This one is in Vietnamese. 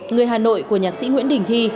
người hà nội của nhạc sĩ nguyễn đình thi